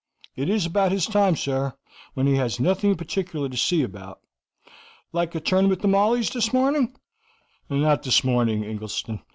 "It is about his time, sir, when he has nothing in particular to see about. Like a turn with the mauleys this morning?" "Not this morning, Ingleston.